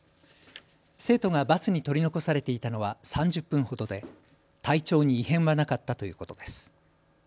生徒がバスに取り残されていたのは３０分ほどで体調に異変はなかったということです。